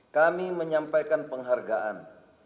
kami menyampaikan penghargaan